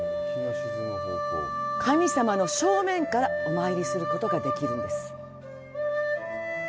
神様の正面からお参りすることができるんです。